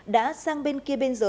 đã sang bên kia bên dưới mọc nổ